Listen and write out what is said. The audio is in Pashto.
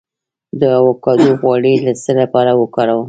د ایوکاډو غوړي د څه لپاره وکاروم؟